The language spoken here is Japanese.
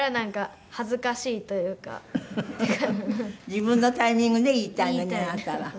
自分のタイミングで言いたいのにあなたは。